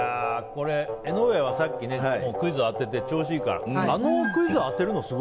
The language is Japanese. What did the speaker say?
江上はさっきクイズ当てて調子いいから。